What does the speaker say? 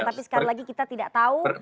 tapi sekali lagi kita tidak tahu